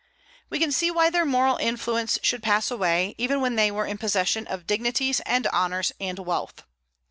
We can see why their moral influence should pass away, even when they were in possession of dignities and honors and wealth.